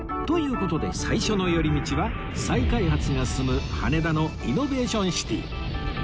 という事で最初の寄り道は再開発が進む羽田のイノベーションシティ